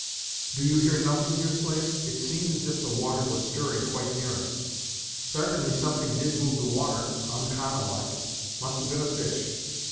"Do you hear nothing, Deerslayer? It seemed as if the water was stirring quite near us!" "Sartainly something did move the water, oncommon like; must have been a fish.